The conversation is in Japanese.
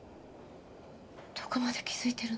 どこまで気付いてるの？